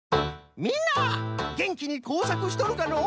みんなげんきに工作しとるかのう？